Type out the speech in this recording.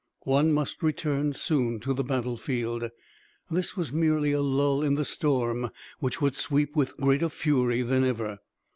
One must return soon to the battlefield. This was merely a lull in the storm which would sweep with greater fury than ever.